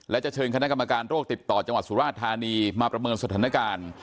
และจะเชิญคณะกรรมการโรคติดต่อจังหวัดสุราชธานีมาประเมินสถานการณ์